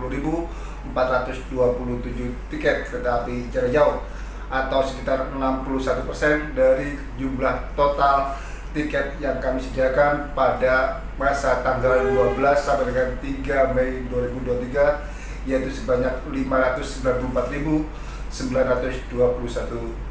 tidak ada yang menyebutkan ada dua puluh tujuh tiket kereta api jarak jauh atau sekitar enam puluh satu persen dari jumlah total tiket yang kami sediakan pada masa tanggal dua belas sampai dengan tiga mei dua ribu dua puluh tiga yaitu sebanyak lima ratus sembilan puluh empat sembilan ratus dua puluh satu tiket